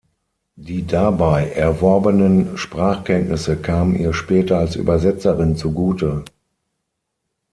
Die dabei erworbenen Sprachkenntnisse kamen ihr später als Übersetzerin zugute.